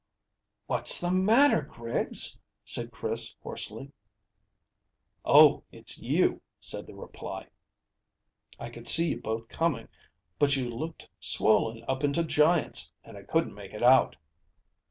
"What's the matter, Griggs?" said Chris hoarsely. "Oh, it's you!" was the reply. "I could see you both coming, but you looked swollen up into giants, and I couldn't make it out."